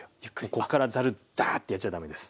こっからざるダーッてやっちゃ駄目です。